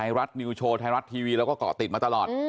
รัฐนิวโชว์ไทยรัฐทีวีเราก็เกาะติดมาตลอด